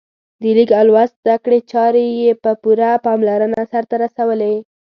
د لیک او لوست زده کړې چارې یې په پوره پاملرنه سرته رسولې.